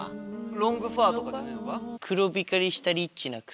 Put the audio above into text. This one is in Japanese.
ロングファーとかじゃねえのか？